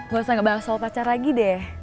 gak usah ngebahas soal pacar lagi deh